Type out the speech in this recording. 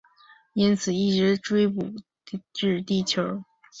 因此一直追捕至地球。